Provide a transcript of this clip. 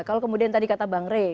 kalau kemudian tadi kata bang rey